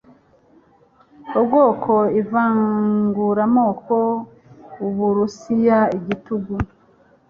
ubwoko ivanguramoko Uburusiya igitugu